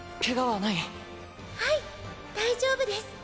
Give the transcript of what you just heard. はい大丈夫です。